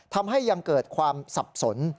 ทำให้ยังเกิดความสับสน